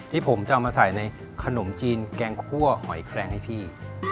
ที่ผมจะเอามาใส่ในขนมจีนแกงคั่วหอยแคลงให้พี่